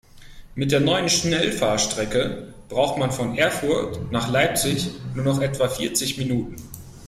Mit der neuen Schnellfahrstrecke braucht man von Erfurt nach Leipzig nur noch etwa vierzig Minuten